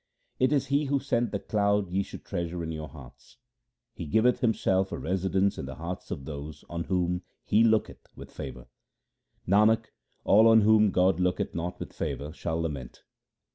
It is He who sent the cloud ye should treasure in your hearts. He giveth Himself a residence in the hearts of those on whom He looketh with favour. Nanak, all on whom God looketh not with favour shall lament.